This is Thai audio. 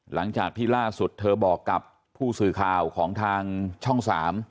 หลังจากที่ล่าสุดเธอบอกกับผู้สื่อข่าวของทางช่อง๓